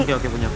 oke oke punya bu